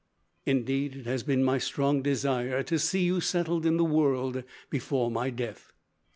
Indeed, it has been my strong desire to see you settled in the world before my death.